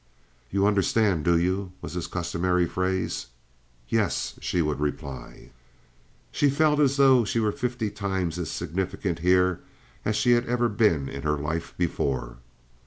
"You understand, do you?" was his customary phrase. "Yes," she would reply. She felt as though she were fifty times as significant here as she had ever been in her life before.